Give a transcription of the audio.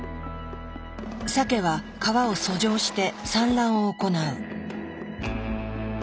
サケは川を遡上して産卵を行う。